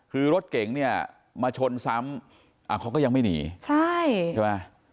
คือรถเก๋งเนี่ยมาชนซ้ำเขาก็ยังไม่หนีใช่ใช่ไหม